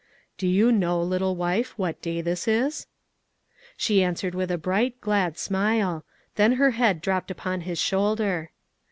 "Do you know, little wife, what day this is?" She answered with a bright, glad smile; then her head dropped upon his shoulder.